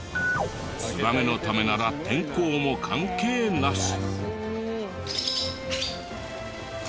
ツバメのためなら天候も関係なし。